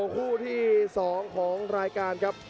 คู่ที่๒ของรายการครับ